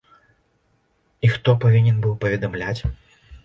І хто павінен быў паведамляць?